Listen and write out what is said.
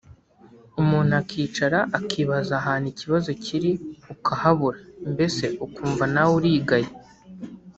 umuntu akicara akibaza ahantu ikibazo kiri ukahabura mbese ukumva nawe urigaye